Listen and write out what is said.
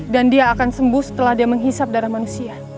dan dia akan sembuh setelah dia menghisap darah manusia